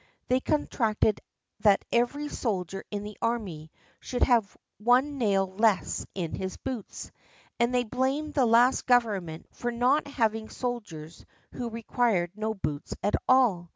They contracted that every soldier in the army should have one nail less in his boots, and they blamed the last Government for not having soldiers who required no boots at all.